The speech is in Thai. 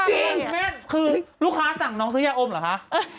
จริงแม่คือลูกค้าสั่งน้องซื้อยาอมเหรอคะ